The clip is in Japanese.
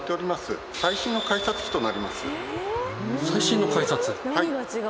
最新の改札。